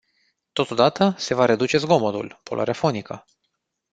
Totodată, se va reduce zgomotul, poluarea fonică.